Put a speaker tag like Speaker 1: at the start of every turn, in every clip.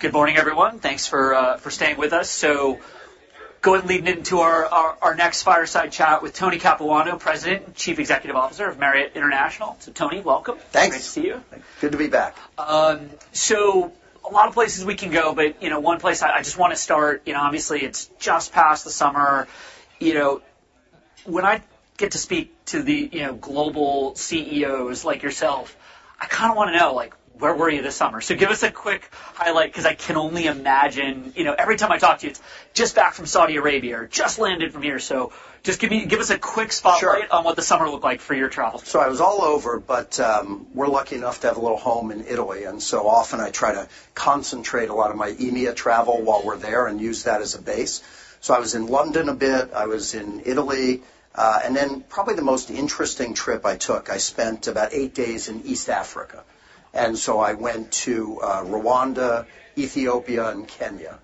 Speaker 1: Good morning, everyone. Thanks for staying with us. So leading into our next fireside chat with Tony Capuano, President and Chief Executive Officer of Marriott International. So Tony, welcome.
Speaker 2: Thanks.
Speaker 1: Great to see you.
Speaker 2: Good to be back.
Speaker 1: So a lot of places we can go, but, you know, one place I just wanna start, you know, obviously, it's just past the summer. You know, when I get to speak to the, you know, global CEOs like yourself, I kinda wanna know, like, where were you this summer? So give us a quick highlight, 'cause I can only imagine. You know, every time I talk to you, it's, "Just back from Saudi Arabia," or, "Just landed from here." So just give me, give us a quick spotlight-
Speaker 2: Sure.
Speaker 1: on what the summer looked like for your travels.
Speaker 2: I was all over, but we're lucky enough to have a little home in Italy, and so often I try to concentrate a lot of my EMEA travel while we're there and use that as a base. I was in London a bit. I was in Italy, and then probably the most interesting trip I took, I spent about eight days in East Africa, and so I went to Rwanda, Ethiopia, and Kenya.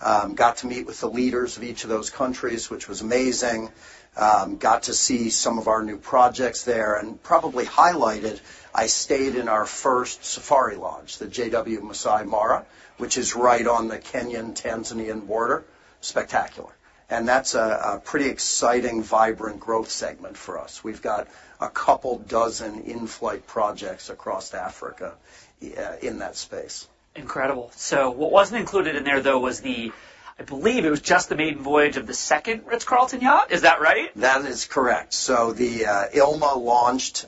Speaker 2: Got to meet with the leaders of each of those countries, which was amazing. Got to see some of our new projects there. And probably highlighted, I stayed in our first safari lodge, the JW Marriott Masai Mara, which is right on the Kenyan-Tanzanian border. Spectacular! And that's a pretty exciting, vibrant growth segment for us. We've got a couple dozen in-flight projects across Africa, in that space.
Speaker 1: Incredible. So what wasn't included in there, though, was the... I believe it was just the maiden voyage of the second Ritz-Carlton yacht. Is that right?
Speaker 2: That is correct. So the Ilma launched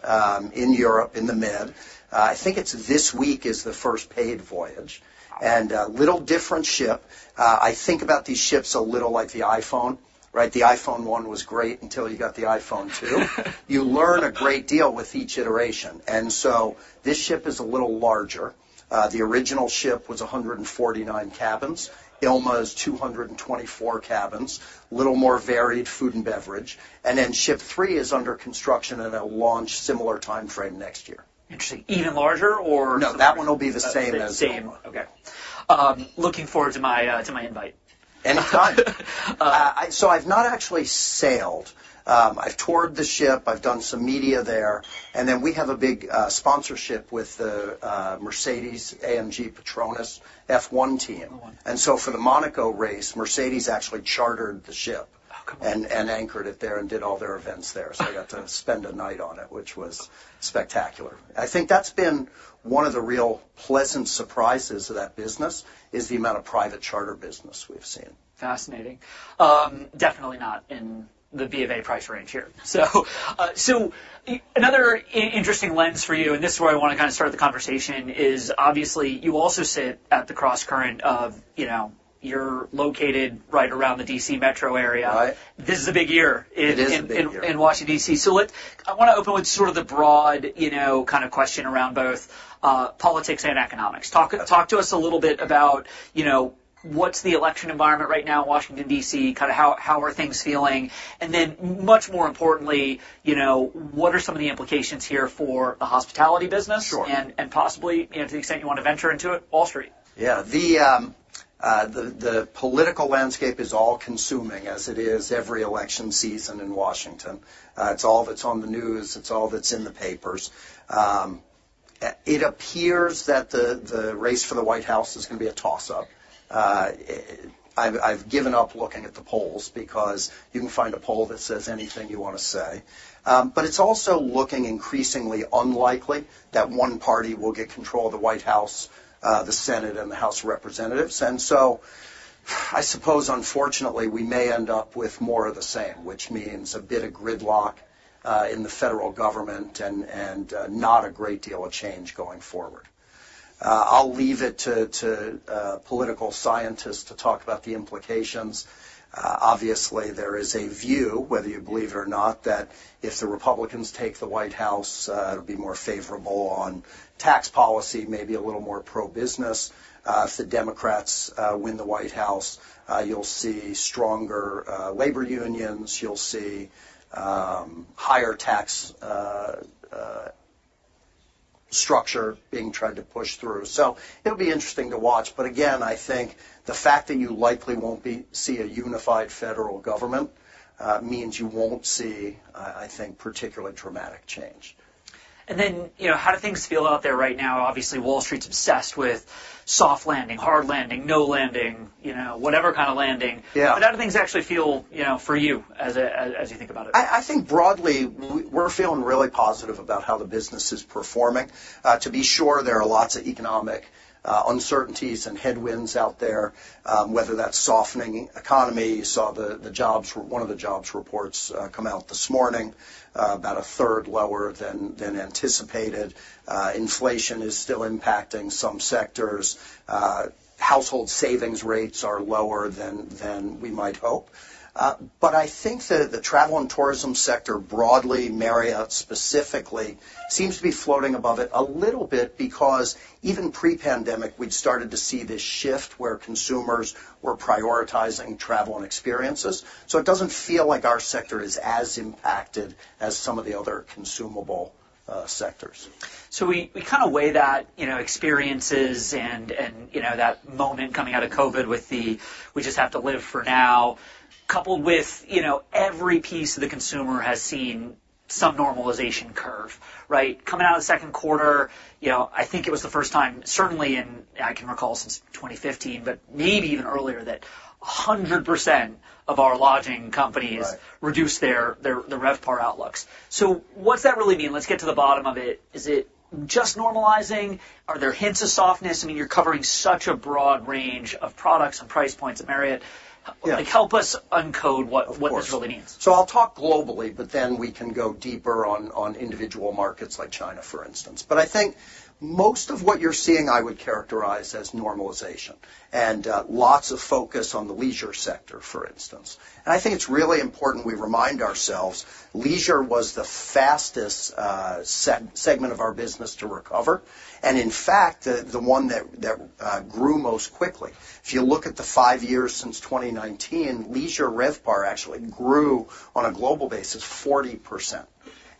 Speaker 2: in Europe, in the Med. I think it's this week is the first paid voyage, and little different ship. I think about these ships a little like the iPhone, right? The iPhone 1 was great until you got the iPhone 2. You learn a great deal with each iteration, and so this ship is a little larger. The original ship was 149 cabins. Ilma is 224 cabins, a little more varied food and beverage, and then ship three is under construction and it'll launch similar timeframe next year.
Speaker 1: Interesting. Even larger or-
Speaker 2: No, that one will be the same as-
Speaker 1: Same. Okay. Looking forward to my invite.
Speaker 2: Anytime. So I've not actually sailed. I've toured the ship, I've done some media there, and then we have a big sponsorship with the Mercedes-AMG PETRONAS F1 Team.
Speaker 1: Oh, wonderful.
Speaker 2: For the Monaco race, Mercedes actually chartered the ship-
Speaker 1: Oh, cool.
Speaker 2: And anchored it there and did all their events there. So I got to spend a night on it, which was spectacular. I think that's been one of the real pleasant surprises of that business, is the amount of private charter business we've seen.
Speaker 1: Fascinating. Definitely not in the B of A price range here, so another interesting lens for you, and this is where I wanna kind of start the conversation, is obviously you also sit at the crosscurrent of, you know, you're located right around the D.C. metro area.
Speaker 2: Right.
Speaker 1: This is a big year in-
Speaker 2: It is a big year....
Speaker 1: in Washington, D.C. So let—I wanna open with sort of the broad, you know, kind of question around both, politics and economics.
Speaker 2: Okay.
Speaker 1: Talk to us a little bit about, you know, what's the election environment right now in Washington, D.C.? Kind of how are things feeling? And then much more importantly, you know, what are some of the implications here for the hospitality business-
Speaker 2: Sure...
Speaker 1: and possibly, to the extent you want to venture into it, Wall Street?
Speaker 2: Yeah. The political landscape is all-consuming, as it is every election season in Washington. It's all that's on the news, it's all that's in the papers. It appears that the race for the White House is gonna be a toss-up. I've given up looking at the polls, because you can find a poll that says anything you wanna say. But it's also looking increasingly unlikely that one party will get control of the White House, the Senate, and the House of Representatives. And so, I suppose, unfortunately, we may end up with more of the same, which means a bit of gridlock in the federal government and not a great deal of change going forward. I'll leave it to political scientists to talk about the implications. Obviously, there is a view, whether you believe it or not, that if the Republicans take the White House, it'll be more favorable on tax policy, maybe a little more pro-business. If the Democrats win the White House, you'll see stronger labor unions, you'll see higher tax structure being tried to push through. So it'll be interesting to watch, but again, I think the fact that you likely won't see a unified federal government means you won't see, I think, particularly dramatic change.
Speaker 1: And then, you know, how do things feel out there right now? Obviously, Wall Street's obsessed with soft landing, hard landing, no landing, you know, whatever kind of landing.
Speaker 2: Yeah.
Speaker 1: But how do things actually feel, you know, for you, as you think about it?
Speaker 2: I think broadly, we're feeling really positive about how the business is performing. To be sure, there are lots of economic uncertainties and headwinds out there, whether that's softening economy. You saw one of the jobs reports come out this morning, about a third lower than anticipated. Inflation is still impacting some sectors. Household savings rates are lower than we might hope. But I think that the travel and tourism sector broadly, Marriott specifically, seems to be floating above it a little bit, because even pre-pandemic, we'd started to see this shift where consumers were prioritizing travel and experiences. So it doesn't feel like our sector is as impacted as some of the other consumable sectors.
Speaker 1: So we kind of weigh that, you know, experiences and, you know, that moment coming out of COVID with the, "We just have to live for now," coupled with, you know, every piece of the consumer has seen some normalization curve, right? Coming out of the second quarter, you know, I think it was the first time, certainly, and I can recall since 2015, but maybe even earlier, that 100% of our lodging companies-
Speaker 2: Right.
Speaker 1: Reduced their RevPAR outlooks. So what's that really mean? Let's get to the bottom of it. Is it just normalizing? Are there hints of softness? I mean, you're covering such a broad range of products and price points at Marriott.
Speaker 2: Yeah.
Speaker 1: Like, help us unpack what-
Speaker 2: Of course.
Speaker 1: What this really means.
Speaker 2: So I'll talk globally, but then we can go deeper on individual markets like China, for instance. But I think most of what you're seeing, I would characterize as normalization and lots of focus on the leisure sector, for instance. And I think it's really important we remind ourselves, leisure was the fastest segment of our business to recover, and in fact, the one that grew most quickly. If you look at the five years since 2019, leisure RevPAR actually grew on a global basis, 40%.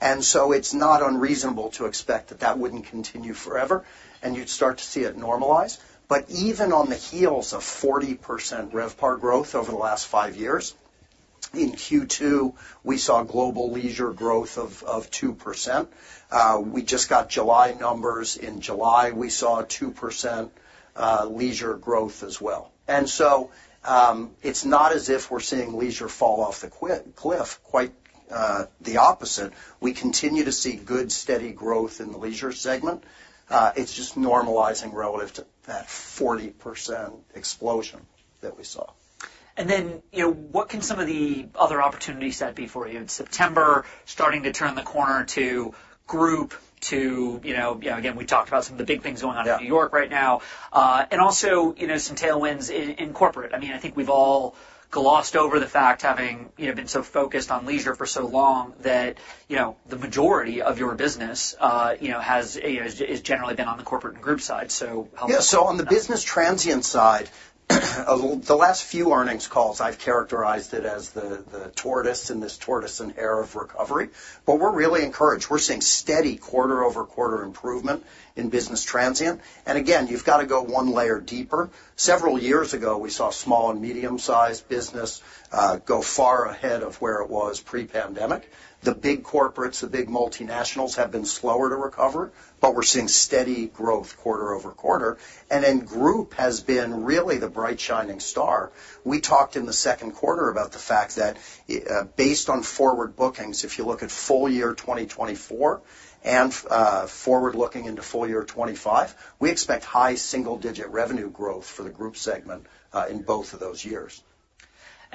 Speaker 2: And so it's not unreasonable to expect that that wouldn't continue forever, and you'd start to see it normalize. But even on the heels of 40% RevPAR growth over the last five years, in Q2, we saw global leisure growth of 2%. We just got July numbers. In July, we saw a 2% leisure growth as well. And so, it's not as if we're seeing leisure fall off the cliff. Quite, the opposite. We continue to see good, steady growth in the leisure segment. It's just normalizing relative to that 40% explosion that we saw.
Speaker 1: And then, you know, what can some of the other opportunities set be for you? In September, starting to turn the corner to group, you know. Again, we talked about some of the big things going on in New York right now, and also, you know, some tailwinds in corporate. I mean, I think we've all glossed over the fact, having, you know, been so focused on leisure for so long, that, you know, the majority of your business, you know, has, you know, is generally been on the corporate and group side, so help-
Speaker 2: Yeah, so on the business transient side, the last few earnings calls, I've characterized it as the tortoise in this tortoise and hare of recovery. But we're really encouraged. We're seeing steady quarter-over-quarter improvement in business transient. And again, you've got to go one layer deeper. Several years ago, we saw small and medium-sized business go far ahead of where it was pre-pandemic. The big corporates, the big multinationals, have been slower to recover, but we're seeing steady growth quarter over quarter. And then, group has been really the bright, shining star. We talked in the second quarter about the fact that based on forward bookings, if you look at full year 2024, and forward looking into full year 2025, we expect high single-digit revenue growth for the group segment in both of those years.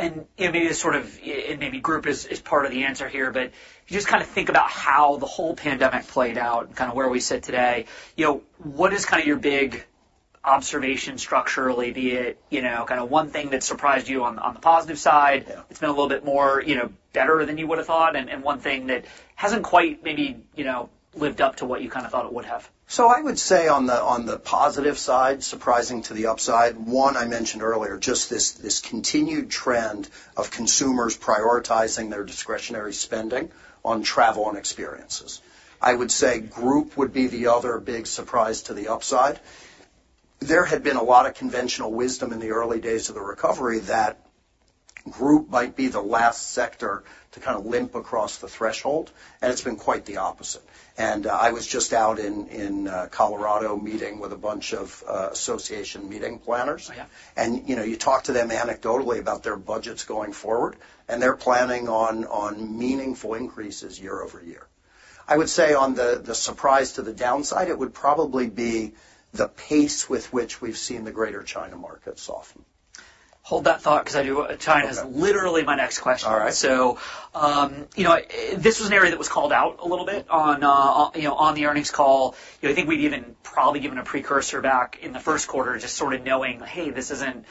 Speaker 1: You know, maybe group is part of the answer here, but if you just kind of think about how the whole pandemic played out and kind of where we sit today, you know, what is kind of your big observation structurally, be it, you know, kind of one thing that surprised you on the positive side?
Speaker 2: Yeah.
Speaker 1: It's been a little bit more, you know, better than you would have thought, and one thing that hasn't quite maybe, you know, lived up to what you kind of thought it would have.
Speaker 2: So I would say on the positive side, surprising to the upside, one I mentioned earlier, just this continued trend of consumers prioritizing their discretionary spending on travel and experiences. I would say group would be the other big surprise to the upside. There had been a lot of conventional wisdom in the early days of the recovery that group might be the last sector to kind of limp across the threshold, and it's been quite the opposite. And I was just out in Colorado, meeting with a bunch of association meeting planners.
Speaker 1: Oh, yeah.
Speaker 2: You know, you talk to them anecdotally about their budgets going forward, and they're planning on meaningful increases year over year. I would say on the surprise to the downside, it would probably be the pace with which we've seen the Greater China market soften.
Speaker 1: Hold that thought, because I do-- China is literally my next question.
Speaker 2: All right.
Speaker 1: This was an area that was called out a little bit on the earnings call. You know, I think we've even probably given a precursor back in the first quarter, just sort of knowing, hey, this isn't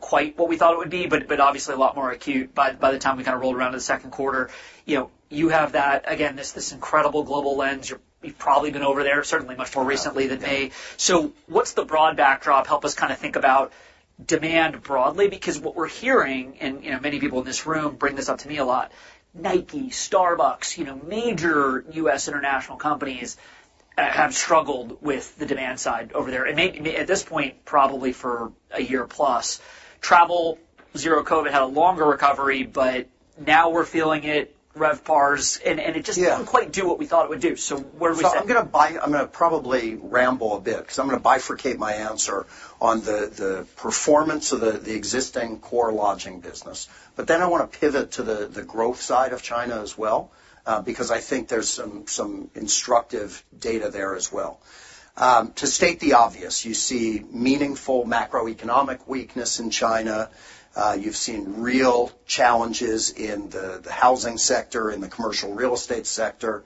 Speaker 1: quite what we thought it would be, but obviously a lot more acute by the time we kind of rolled around in the second quarter. You know, you have that, again, this incredible global lens. You've probably been over there, certainly much more recently than me.
Speaker 2: Yeah.
Speaker 1: So what's the broad backdrop? Help us kind of think about demand broadly, because what we're hearing, and, you know, many people in this room bring this up to me a lot: Nike, Starbucks, you know, major U.S. international companies have struggled with the demand side over there. And at this point, probably for a year plus. Travel, Zero-COVID had a longer recovery, but now we're feeling it, RevPARs, and it just-
Speaker 2: Yeah...
Speaker 1: didn't quite do what we thought it would do. So where are we at?
Speaker 2: So I'm going to probably ramble a bit, because I'm going to bifurcate my answer on the performance of the existing core lodging business. But then I want to pivot to the growth side of China as well, because I think there's some instructive data there as well. To state the obvious, you see meaningful macroeconomic weakness in China. You've seen real challenges in the housing sector, in the commercial real estate sector.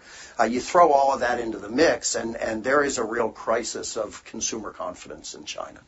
Speaker 2: You throw all of that into the mix, and there is a real crisis of consumer confidence in China.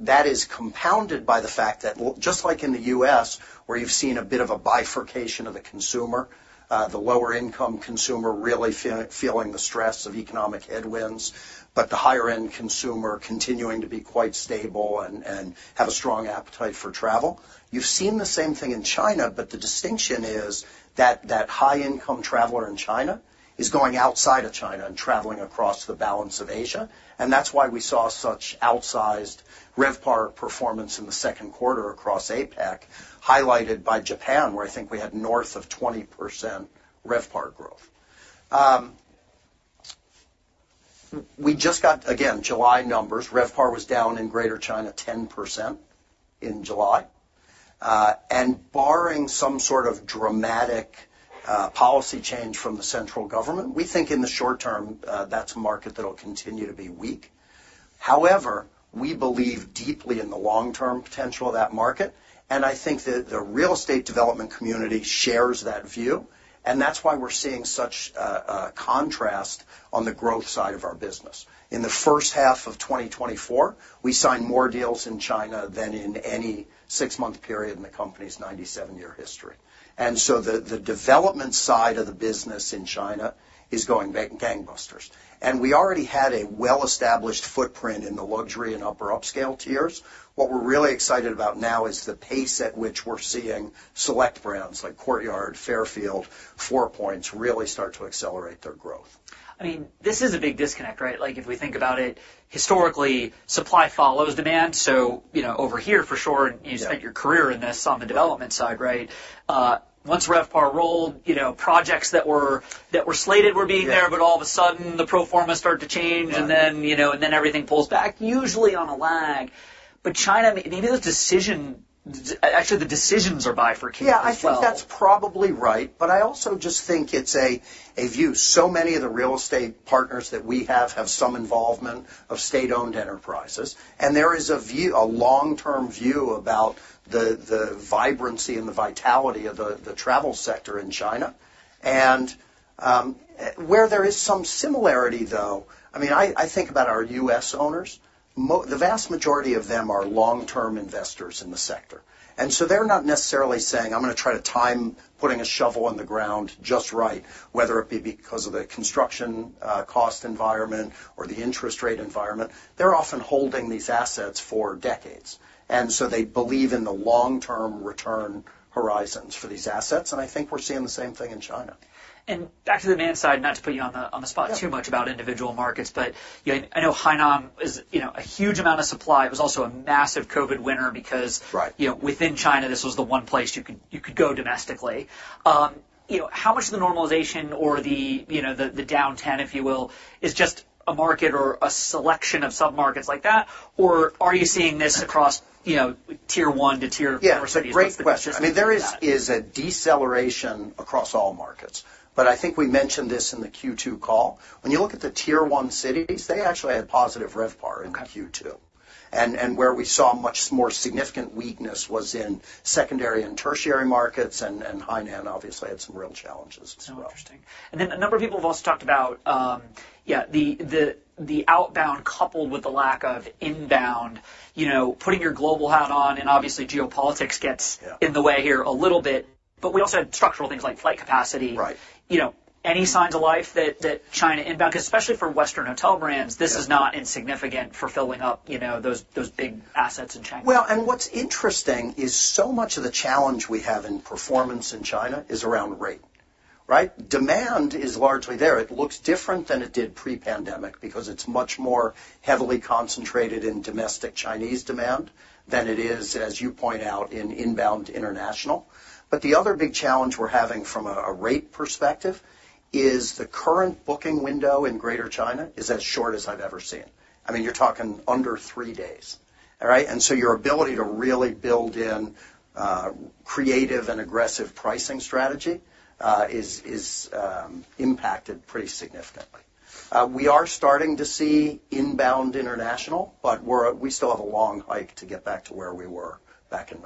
Speaker 2: That is compounded by the fact that, well, just like in the U.S., where you've seen a bit of a bifurcation of the consumer, the lower income consumer really feeling the stress of economic headwinds, but the higher end consumer continuing to be quite stable and have a strong appetite for travel. You've seen the same thing in China, but the distinction is that high-income traveler in China is going outside of China and traveling across the balance of Asia, and that's why we saw such outsized RevPAR performance in the second quarter across APAC, highlighted by Japan, where I think we had north of 20% RevPAR growth. We just got, again, July numbers. RevPAR was down in Greater China, 10% in July. And barring some sort of dramatic policy change from the central government, we think in the short term, that's a market that'll continue to be weak. However, we believe deeply in the long-term potential of that market, and I think that the real estate development community shares that view, and that's why we're seeing such a contrast on the growth side of our business. In the first half of 2024, we signed more deals in China than in any six-month period in the company's 97-year history. And so the development side of the business in China is going back gangbusters. And we already had a well-established footprint in the luxury and upper upscale tiers. What we're really excited about now is the pace at which we're seeing select brands like Courtyard, Fairfield, Four Points, really start to accelerate their growth.
Speaker 1: I mean, this is a big disconnect, right? Like, if we think about it, historically, supply follows demand, so, you know, over here for sure, you spent your career in this, on the development side, right? Once RevPAR rolled, you know, projects that were slated were being there, but all of a sudden, the pro forma started to change.
Speaker 2: Yeah.
Speaker 1: And then, you know, and then everything pulls back, usually on a lag. But China, even the decision, actually, the decisions are bifurcating as well.
Speaker 2: Yeah, I think that's probably right, but I also just think it's a view. So many of the real estate partners that we have have some involvement of state-owned enterprises, and there is a view, a long-term view about the vibrancy and the vitality of the travel sector in China. And where there is some similarity, though, I mean, I think about our U.S. owners. The vast majority of them are long-term investors in the sector, and so they're not necessarily saying, "I'm going to try to time putting a shovel in the ground just right," whether it be because of the construction cost environment or the interest rate environment. They're often holding these assets for decades, and so they believe in the long-term return horizons for these assets, and I think we're seeing the same thing in China.
Speaker 1: And back to the demand side, not to put you on the spot too much about individual markets, but, you know, I know Hainan is, you know, a huge amount of supply. It was also a massive COVID winner because-
Speaker 2: Right.
Speaker 1: You know, within China, this was the one place you could go domestically. You know, how much of the normalization or the, you know, the downturn, if you will, is just a market or a selection of submarkets like that, or are you seeing this across, you know, tier one to tier four cities?
Speaker 2: Yeah, it's a great question.
Speaker 1: What's the direction of that?
Speaker 2: I mean, there is a deceleration across all markets, but I think we mentioned this in the Q2 call. When you look at the tier one cities, they actually had positive RevPAR in Q2.
Speaker 1: Okay.
Speaker 2: Where we saw much more significant weakness was in secondary and tertiary markets, and Hainan obviously had some real challenges as well.
Speaker 1: Interesting. Then a number of people have also talked about the outbound coupled with the lack of inbound, you know, putting your global hat on, and obviously, geopolitics gets-
Speaker 2: Yeah...
Speaker 1: in the way here a little bit, but we also had structural things like flight capacity.
Speaker 2: Right.
Speaker 1: You know, any signs of life that China inbound, because especially for Western hotel brands?
Speaker 2: Yeah
Speaker 1: This is not insignificant for filling up, you know, those big assets in China.
Speaker 2: And what's interesting is so much of the challenge we have in performance in China is around rate, right? Demand is largely there. It looks different than it did pre-pandemic because it's much more heavily concentrated in domestic Chinese demand than it is, as you point out, in inbound international. But the other big challenge we're having from a rate perspective is the current booking window in Greater China is as short as I've ever seen. I mean, you're talking under three days, all right? And so your ability to really build in creative and aggressive pricing strategy is impacted pretty significantly. We are starting to see inbound international, but we still have a long hike to get back to where we were back in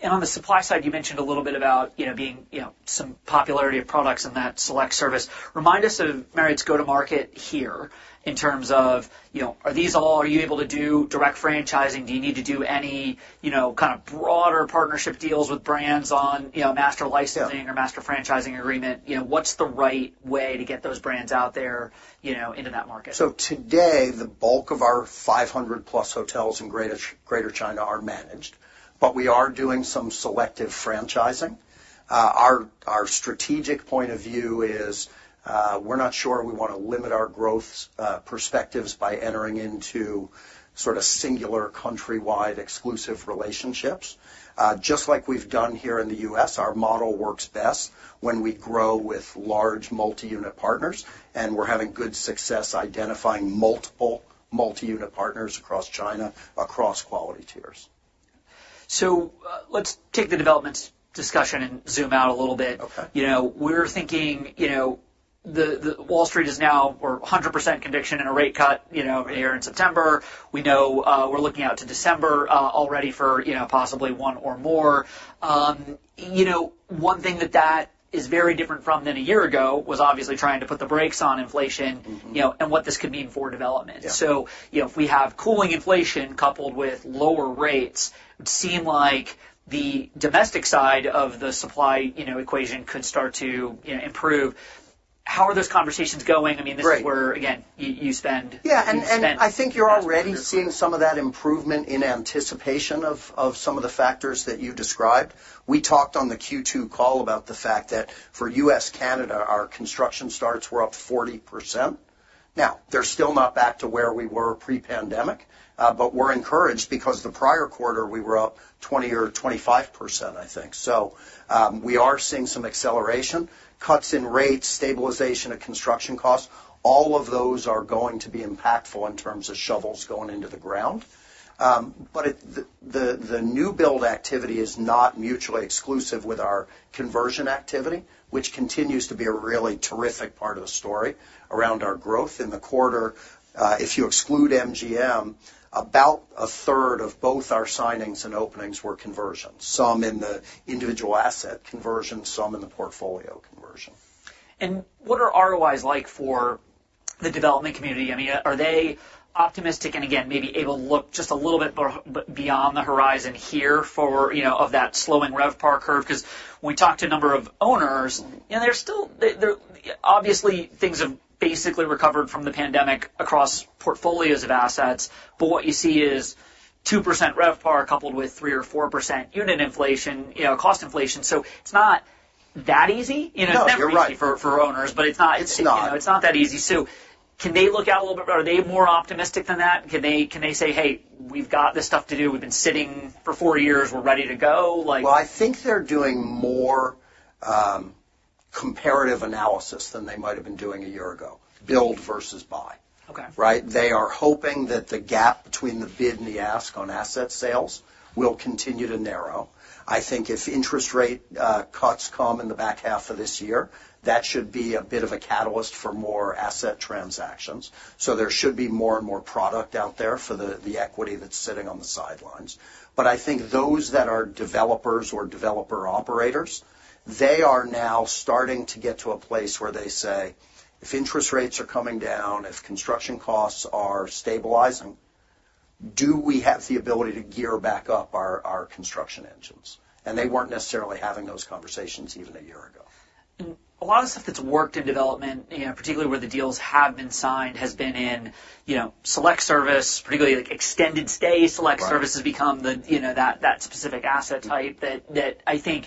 Speaker 2: 2019.
Speaker 1: On the supply side, you mentioned a little bit about, you know, being, you know, some popularity of products in that select service. Remind us of Marriott's go-to-market here in terms of, you know, are these all- are you able to do direct franchising? Do you need to do any, you know, kind of broader partnership deals with brands on, you know, master licensing-
Speaker 2: Yeah...
Speaker 1: or master franchising agreement? You know, what's the right way to get those brands out there, you know, into that market?
Speaker 2: So today, the bulk of our 500+ hotels in Greater China are managed, but we are doing some selective franchising. Our strategic point of view is, we're not sure we want to limit our growth perspectives by entering into sort of singular, countrywide, exclusive relationships. Just like we've done here in the U.S., our model works best when we grow with large multi-unit partners, and we're having good success identifying multiple multi-unit partners across China, across quality tiers.
Speaker 1: So let's take the development discussion and zoom out a little bit.
Speaker 2: Okay.
Speaker 1: You know, we're thinking, you know, Wall Street is now with 100% conviction in a rate cut, you know, here in September. We know, we're looking out to December already for, you know, possibly one or more. You know, one thing that is very different from than a year ago was obviously trying to put the brakes on inflation-
Speaker 2: Mm-hmm...
Speaker 1: you know, and what this could mean for development.
Speaker 2: Yeah.
Speaker 1: So, you know, if we have cooling inflation coupled with lower rates, it would seem like the domestic side of the supply, you know, equation could start to, you know, improve. How are those conversations going? I mean, this is where, again, you spend-
Speaker 2: Yeah, and I think you're already seeing some of that improvement in anticipation of some of the factors that you described. We talked on the Q2 call about the fact that for U.S., Canada, our construction starts were up 40%. Now, they're still not back to where we were pre-pandemic, but we're encouraged because the prior quarter, we were up 20% or 25%, I think. So, we are seeing some acceleration, cuts in rates, stabilization of construction costs, all of those are going to be impactful in terms of shovels going into the ground. But the new build activity is not mutually exclusive with our conversion activity, which continues to be a really terrific part of the story around our growth in the quarter. If you exclude MGM, about a third of both our signings and openings were conversions. Some in the individual asset conversion, some in the portfolio conversion.
Speaker 1: And what are ROIs like for the development community? I mean, are they optimistic, and again, maybe able to look just a little bit beyond the horizon here for, you know, of that slowing RevPAR curve? Because when we talk to a number of owners, you know, they're still obviously things have basically recovered from the pandemic across portfolios of assets, but what you see is 2% RevPAR, coupled with 3% or 4% unit inflation, you know, cost inflation. So it's not that easy.
Speaker 2: No, you're right.
Speaker 1: You know, it's never easy for owners, but it's not-
Speaker 2: It's not.
Speaker 1: You know, it's not that easy. So can they look out a little bit? Are they more optimistic than that? Can they say, "Hey, we've got this stuff to do. We've been sitting for four years, we're ready to go?" Like...
Speaker 2: I think they're doing more, comparative analysis than they might have been doing a year ago. Build versus buy.
Speaker 1: Okay.
Speaker 2: Right? They are hoping that the gap between the bid and the ask on asset sales will continue to narrow. I think if interest rate cuts come in the back half of this year, that should be a bit of a catalyst for more asset transactions. So there should be more and more product out there for the equity that's sitting on the sidelines. But I think those that are developers or developer operators, they are now starting to get to a place where they say, "If interest rates are coming down, if construction costs are stabilizing, do we have the ability to gear back up our construction engines?" and they weren't necessarily having those conversations even a year ago.
Speaker 1: A lot of the stuff that's worked in development, you know, particularly where the deals have been signed, has been in, you know, select service, particularly like extended stay.
Speaker 2: Right.
Speaker 1: Select service has become the, you know, that specific asset type that I think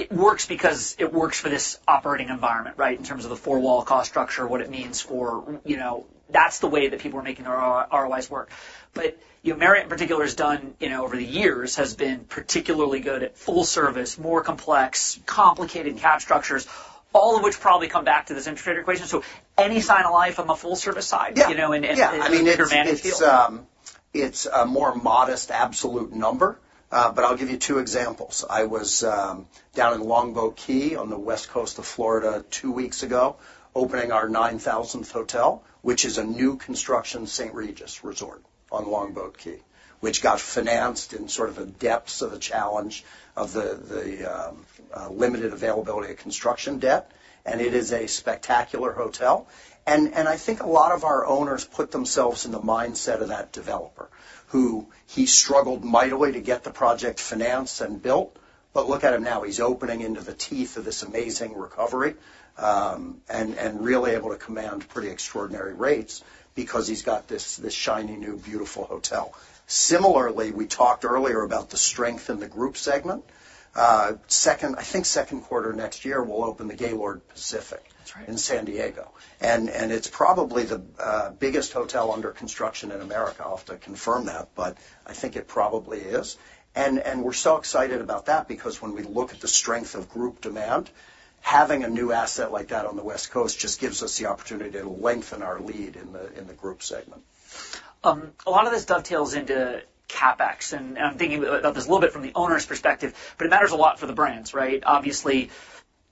Speaker 1: it works because it works for this operating environment, right? In terms of the four-wall cost structure, what it means for... You know, that's the way that people are making their ROIs work. But, you know, Marriott, in particular, has done, you know, over the years, has been particularly good at full service, more complex, complicated cap structures, all of which probably come back to this integrated equation. So any sign of life on the full service side.
Speaker 2: Yeah
Speaker 1: You know, in the advantage field?...
Speaker 2: Yeah, I mean, it's a more modest absolute number, but I'll give you two examples. I was down in Longboat Key, on the West Coast of Florida two weeks ago, opening our 9,000th hotel, which is a new construction St. Regis resort on Longboat Key, which got financed in sort of the depths of the challenge of the limited availability of construction debt, and it is a spectacular hotel. I think a lot of our owners put themselves in the mindset of that developer, who he struggled mightily to get the project financed and built. Look at him now, he's opening into the teeth of this amazing recovery and really able to command pretty extraordinary rates because he's got this shiny, new, beautiful hotel. Similarly, we talked earlier about the strength in the group segment. I think second quarter next year, we'll open the Gaylord Pacific-
Speaker 1: That's right.
Speaker 2: in San Diego. And it's probably the biggest hotel under construction in America. I'll have to confirm that, but I think it probably is. And we're so excited about that, because when we look at the strength of group demand, having a new asset like that on the West Coast just gives us the opportunity to lengthen our lead in the group segment.
Speaker 1: A lot of this dovetails into CapEx, and I'm thinking of this a little bit from the owner's perspective, but it matters a lot for the brands, right? Obviously,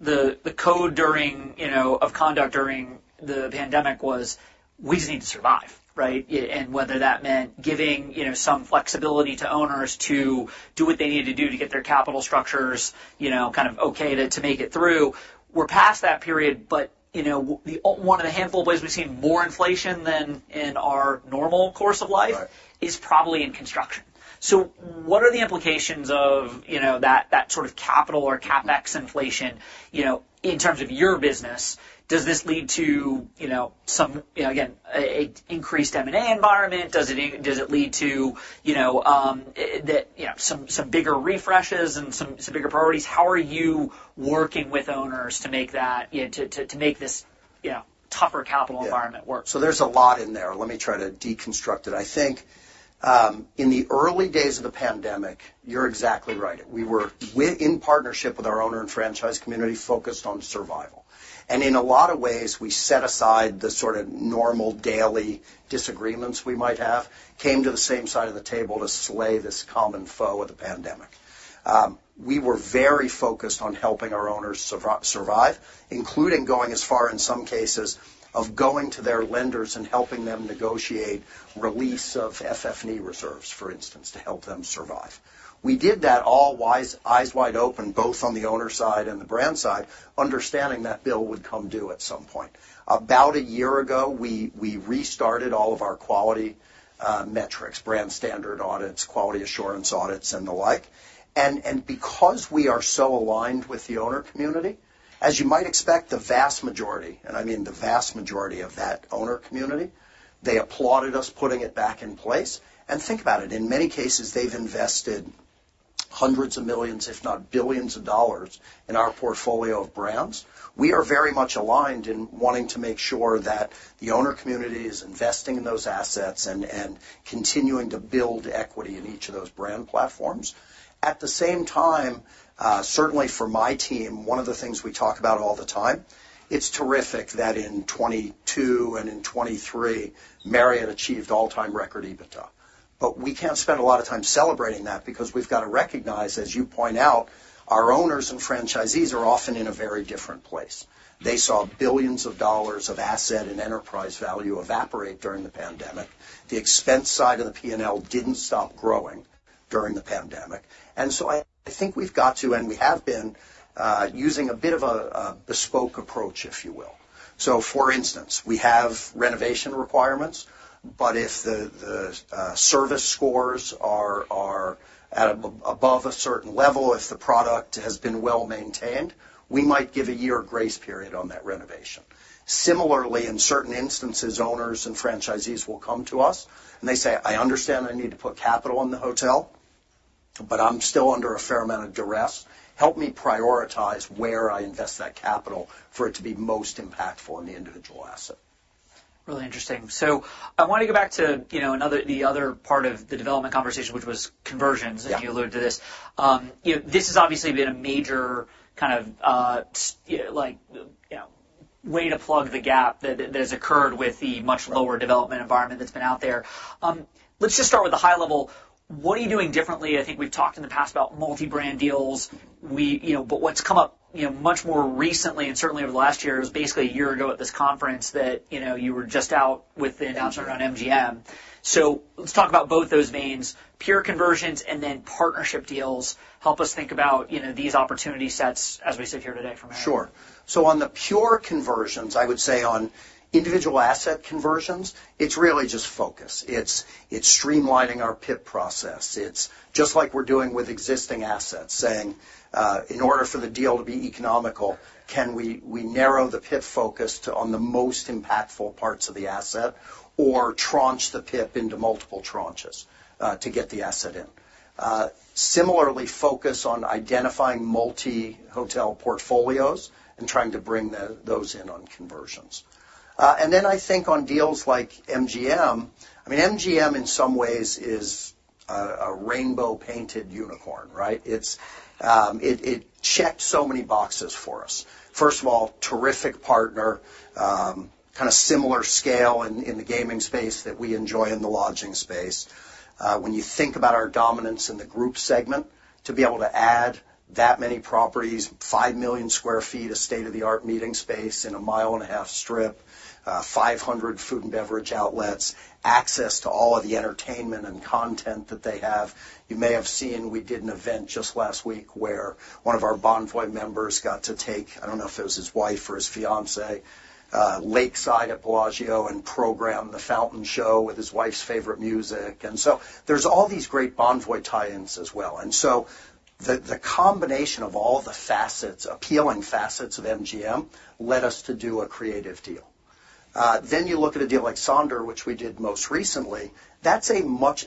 Speaker 1: the code of conduct during the pandemic was, you know, we just need to survive, right? And whether that meant giving, you know, some flexibility to owners to do what they needed to do to get their capital structures, you know, kind of okay to make it through. We're past that period, but, you know, the one of the handful of places we've seen more inflation than in our normal course of life-
Speaker 2: Right
Speaker 1: is probably in construction. So what are the implications of, you know, that sort of capital or CapEx inflation, you know, in terms of your business? Does this lead to, you know, some, you know, again, an increased M&A environment? Does it lead to, you know, some bigger refreshes and some bigger priorities? How are you working with owners to make that, you know, to make this tougher capital environment work?
Speaker 2: So there's a lot in there. Let me try to deconstruct it. I think, in the early days of the pandemic, you're exactly right. We were in partnership with our owner and franchise community, focused on survival. And in a lot of ways, we set aside the sort of normal daily disagreements we might have, came to the same side of the table to slay this common foe of the pandemic. We were very focused on helping our owners survive, including going as far, in some cases, of going to their lenders and helping them negotiate release of FF&E reserves, for instance, to help them survive. We did that eyes wide open, both on the owner side and the brand side, understanding that bill would come due at some point.... About a year ago, we restarted all of our quality metrics, brand standard audits, quality assurance audits, and the like. And because we are so aligned with the owner community, as you might expect, the vast majority, and I mean the vast majority of that owner community, they applauded us putting it back in place. And think about it, in many cases, they've invested hundreds of millions, if not $billions of dollars in our portfolio of brands. We are very much aligned in wanting to make sure that the owner community is investing in those assets and continuing to build equity in each of those brand platforms. At the same time, certainly for my team, one of the things we talk about all the time, it's terrific that in 2022 and in 2023, Marriott achieved all-time record EBITDA. But we can't spend a lot of time celebrating that because we've got to recognize, as you point out, our owners and franchisees are often in a very different place. They saw billions of dollars of asset and enterprise value evaporate during the pandemic. The expense side of the P&L didn't stop growing during the pandemic, and so I think we've got to, and we have been, using a bit of a bespoke approach, if you will. So for instance, we have renovation requirements, but if the service scores are above a certain level, if the product has been well-maintained, we might give a year grace period on that renovation. Similarly, in certain instances, owners and franchisees will come to us and they say, "I understand I need to put capital in the hotel, but I'm still under a fair amount of duress. Help me prioritize where I invest that capital for it to be most impactful in the individual asset.
Speaker 1: Really interesting. So I wanna go back to, you know, another, the other part of the development conversation, which was conversions, and you alluded to this. You know, this has obviously been a major kind of, like, you know, way to plug the gap that has occurred with the much lower development environment that's been out there. Let's just start with the high level. What are you doing differently? I think we've talked in the past about multi-brand deals. You know, but what's come up, you know, much more recently, and certainly over the last year, it was basically a year ago at this conference that, you know, you were just out with the announcement around MGM. So let's talk about both those veins, pure conversions and then partnership deals. Help us think about, you know, these opportunity sets as we sit here today for Marriott.
Speaker 2: Sure. So on the pure conversions, I would say on individual asset conversions, it's really just focus. It's streamlining our PIP process. It's just like we're doing with existing assets, saying, in order for the deal to be economical, can we narrow the PIP focus to on the most impactful parts of the asset or tranche the PIP into multiple tranches to get the asset in? Similarly, focus on identifying multi-hotel portfolios and trying to bring those in on conversions. And then I think on deals like MGM, I mean, MGM in some ways is a rainbow-painted unicorn, right? It checked so many boxes for us. First of all, terrific partner, kind of similar scale in the gaming space that we enjoy in the lodging space. When you think about our dominance in the group segment, to be able to add that many properties, 5 million sq ft of state-of-the-art meeting space in a 1.5-mile strip, 500 food and beverage outlets, access to all of the entertainment and content that they have. You may have seen, we did an event just last week where one of our Bonvoy members got to take, I don't know if it was his wife or his fiancée, lakeside at Bellagio and program the fountain show with his wife's favorite music. And so there's all these great Bonvoy tie-ins as well. And so the combination of all the facets, appealing facets of MGM, led us to do a creative deal. Then you look at a deal like Sonder, which we did most recently. That's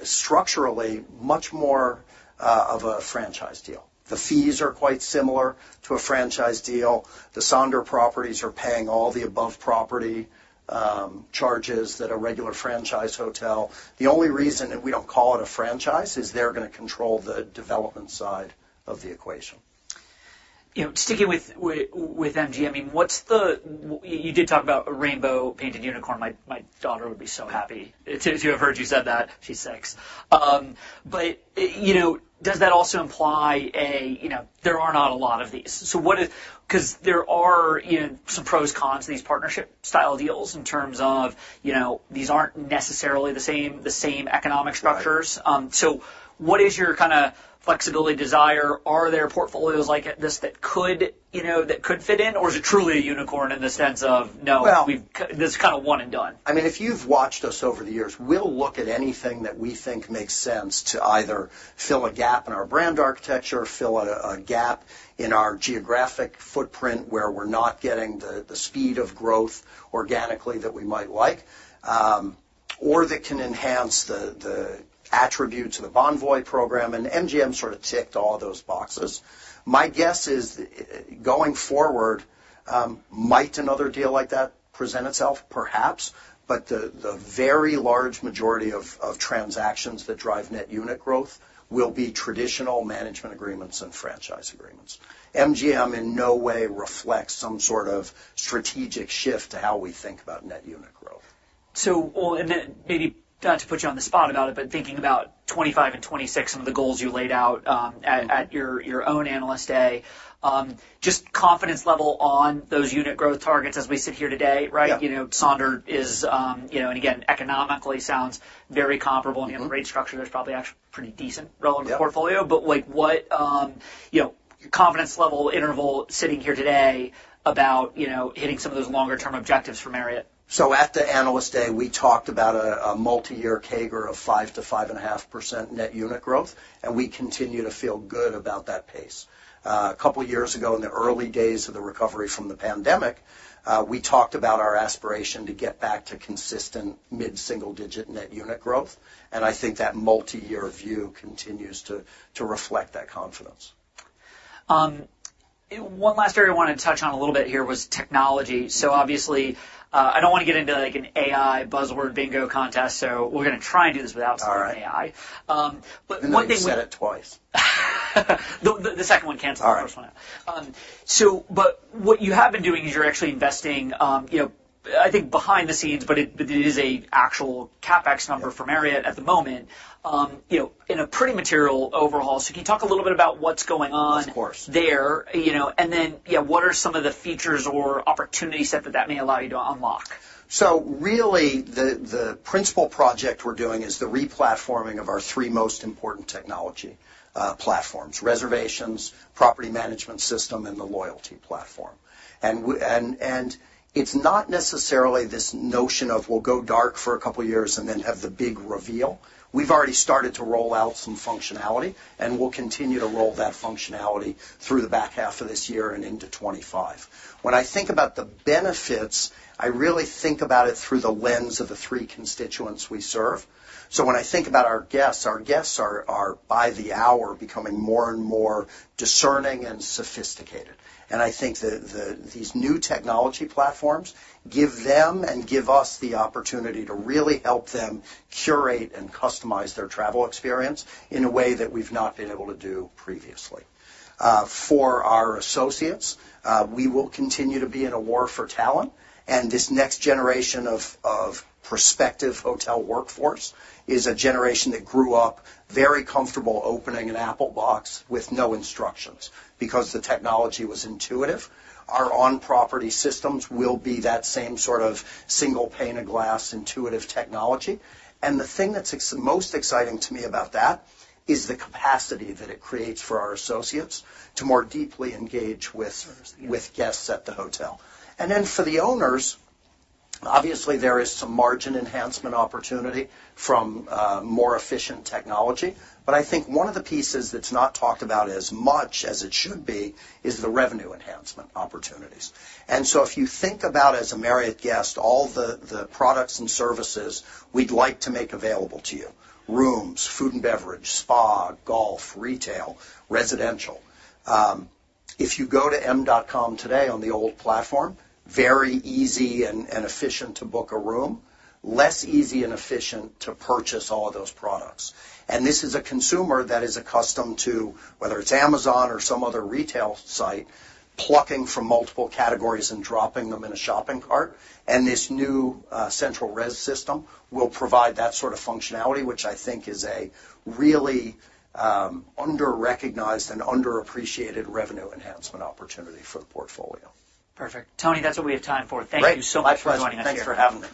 Speaker 2: structurally much more of a franchise deal. The fees are quite similar to a franchise deal. The Sonder properties are paying all the above-property charges that a regular franchise hotel. The only reason that we don't call it a franchise is they're gonna control the development side of the equation.
Speaker 1: You know, sticking with MGM, I mean, what's the... You did talk about a rainbow-painted unicorn. My daughter would be so happy if she ever heard you said that, she's six. But, you know, does that also imply a, you know, there are not a lot of these. So what is-- Because there are, you know, some pros, cons to these partnership-style deals in terms of, you know, these aren't necessarily the same economic structures.
Speaker 2: Right.
Speaker 1: So what is your kind of flexibility desire? Are there portfolios like this that could, you know, that could fit in? Or is it truly a unicorn in the sense of, "No, we've-
Speaker 2: Well-
Speaker 1: This is kind of one and done?
Speaker 2: I mean, if you've watched us over the years, we'll look at anything that we think makes sense to either fill a gap in our brand architecture, fill a gap in our geographic footprint, where we're not getting the speed of growth organically that we might like, or that can enhance the attribute to the Bonvoy program, and MGM sort of ticked all those boxes. My guess is, going forward, might another deal like that present itself? Perhaps, but the very large majority of transactions that drive net unit growth will be traditional management agreements and franchise agreements. MGM in no way reflects some sort of strategic shift to how we think about net unit growth.
Speaker 1: So, well, and then maybe not to put you on the spot about it, but thinking about 2025 and 2026, some of the goals you laid out at your own Analyst Day. Just confidence level on those unit growth targets as we sit here today, right?
Speaker 2: Yeah.
Speaker 1: You know, Sonder is, you know, and again, economically sounds very comparable-
Speaker 2: Mm-hmm.
Speaker 1: The rate structure is probably actually pretty decent relevant to the portfolio.
Speaker 2: Yeah.
Speaker 1: But like, what, you know, confidence level interval sitting here today about, you know, hitting some of those longer term objectives for Marriott?
Speaker 2: So at the Analyst Day, we talked about a multi-year CAGR of 5%-5.5% net unit growth, and we continue to feel good about that pace. A couple years ago, in the early days of the recovery from the pandemic, we talked about our aspiration to get back to consistent mid-single-digit net unit growth, and I think that multi-year view continues to reflect that confidence.
Speaker 1: One last area I wanted to touch on a little bit here was technology, so obviously, I don't wanna get into, like, an AI buzzword bingo contest, so we're gonna try and do this without saying AI.
Speaker 2: All right.
Speaker 1: but one thing-
Speaker 2: You said it twice.
Speaker 1: The second one cancels the first one out.
Speaker 2: All right.
Speaker 1: But what you have been doing is you're actually investing, you know, I think behind the scenes, but it is an actual CapEx number for Marriott at the moment, you know, in a pretty material overhaul, so can you talk a little bit about what's going on-
Speaker 2: Of course...
Speaker 1: there, you know, and then, yeah, what are some of the features or opportunity set that that may allow you to unlock?
Speaker 2: So really, the principal project we're doing is the replatforming of our three most important technology platforms: reservations, property management system, and the loyalty platform. And it's not necessarily this notion of we'll go dark for a couple years and then have the big reveal. We've already started to roll out some functionality, and we'll continue to roll that functionality through the back half of this year and into 2025. When I think about the benefits, I really think about it through the lens of the three constituents we serve. So when I think about our guests, our guests are, by the hour, becoming more and more discerning and sophisticated. And I think that these new technology platforms give them and give us the opportunity to really help them curate and customize their travel experience in a way that we've not been able to do previously. For our associates, we will continue to be in a war for talent, and this next generation of prospective hotel workforce is a generation that grew up very comfortable opening an Apple box with no instructions, because the technology was intuitive. Our on-property systems will be that same sort of single pane of glass, intuitive technology. And the thing that's most exciting to me about that is the capacity that it creates for our associates to more deeply engage with-
Speaker 1: Understood...
Speaker 2: with guests at the hotel. And then for the owners, obviously, there is some margin enhancement opportunity from more efficient technology, but I think one of the pieces that's not talked about as much as it should be is the revenue enhancement opportunities. And so if you think about, as a Marriott guest, all the products and services we'd like to make available to you, rooms, food and beverage, spa, golf, retail, residential. If you go to m.com today on the old platform, very easy and efficient to book a room, less easy and efficient to purchase all of those products. And this is a consumer that is accustomed to, whether it's Amazon or some other retail site, plucking from multiple categories and dropping them in a shopping cart, and this new central res system will provide that sort of functionality, which I think is a really under-recognized and underappreciated revenue enhancement opportunity for the portfolio.
Speaker 1: Perfect. Tony, that's what we have time for.
Speaker 2: Great.
Speaker 1: Thank you so much for joining us.
Speaker 2: My pleasure. Thanks for having me.